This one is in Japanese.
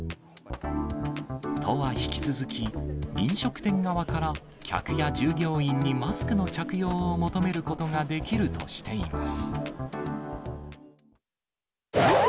都は引き続き、飲食店側から客や従業員にマスクの着用を求めることができるとしています。